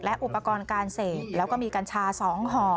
อุปกรณ์การเสพแล้วก็มีกัญชา๒ห่อ